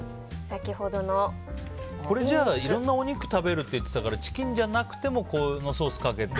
いろんなお肉食べるって言ってたからチキンじゃなくてもこのソースをかけてと。